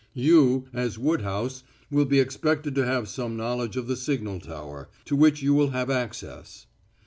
"You, as Woodhouse, will be expected to have some knowledge of the signal tower, to which you will have access."